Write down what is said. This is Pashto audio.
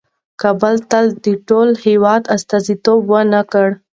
کابل تل د ټول هېواد استازیتوب ونه کړ.